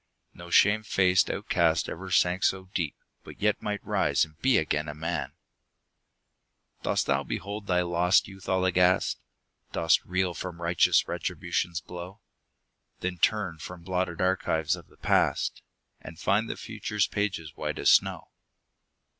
No shame faced outcast ever sank so deep, But yet might rise and be again a man ! Dost thou behold thy lost youth all aghast? Dost reel from righteous Retribution's blow? Then turn from blotted archives of the past, And find the future's pages white as snow.